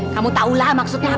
kamu tahulah maksudnya apa